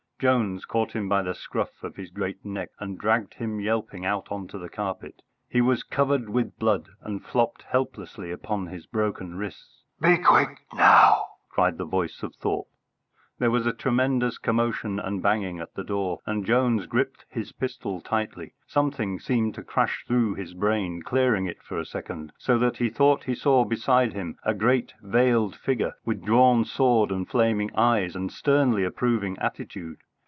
Jones caught him by the scruff of his great neck and dragged him yelping out on to the carpet. He was covered with blood, and flopped helplessly upon his broken wrists. "Be quick now!" cried the voice of Thorpe. There was a tremendous commotion and banging at the door, and Jones gripped his pistol tightly. Something seemed to crash through his brain, clearing it for a second, so that he thought he saw beside him a great veiled figure, with drawn sword and flaming eyes, and sternly approving attitude.